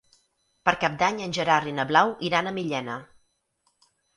Per Cap d'Any en Gerard i na Blau iran a Millena.